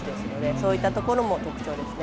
そういったところも特徴です。